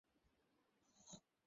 নিজের আগে দল!